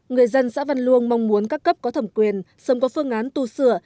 người dân xã văn luông mong muốn các cấp có thẩm quyền sớm có phương án tu sửa